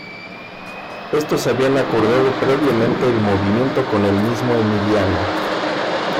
Estos habían acordado previamente el movimiento con el mismo Emiliano.